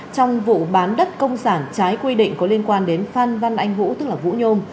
trong vụ bán đất công sản trái quy định có liên quan đến phan văn anh vũ tức là vũ nhôm